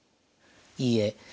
いいえ。